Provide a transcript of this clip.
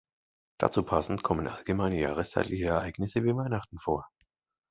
Dazu passend kommen allgemeine jahreszeitliche Ereignisse wie Weihnachten vor.